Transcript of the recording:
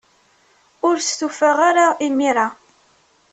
Ur stufaɣ ara imir-a.